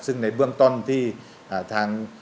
ซึ่งในเบื้องต้นที่ทาง